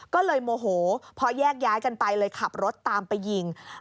ก็เลยโมโหพอแยกย้ายกันไปเลยขับรถตามไปยิง